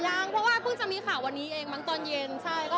ยังเพราะว่าก็พึ่งจะมีข่าววันนี้เองบางตอนเย็น